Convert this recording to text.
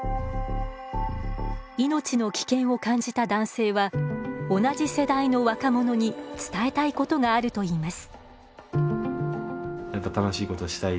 命の危険を感じた男性は同じ世代の若者に伝えたいことがあると言います。